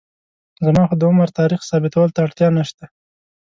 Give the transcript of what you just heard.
زما خو د عمر تاریخ ثابتولو ته اړتیا نشته.